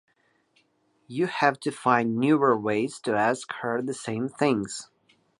You have to find newer ways to ask her the same things.